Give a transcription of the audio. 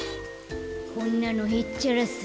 こんなのへっちゃらさ。